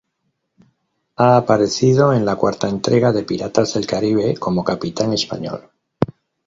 Ha aparecido en la cuarta entrega de "Piratas del Caribe" como capitán español.